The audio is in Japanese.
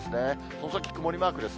この先、曇りマークです。